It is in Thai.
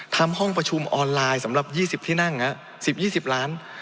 ทำห้องประชุมออนไลน์สำหรับ๒๐ที่นั่ง๑๐๒๐ล้าน